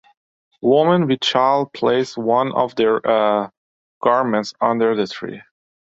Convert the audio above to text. Women with child place one of their garments under the tree.